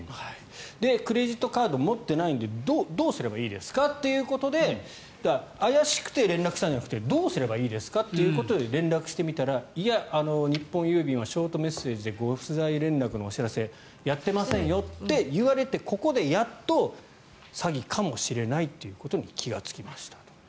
クレジットカードを持っていないのでどうすればいいですかということで怪しくて連絡したんじゃなくてどうすればいいですか？ということで連絡してみたらいや、日本郵便はショートメッセージでご不在連絡のお知らせやってませんよと言われてここでやっと詐欺かもしれないということに気がつきましたと。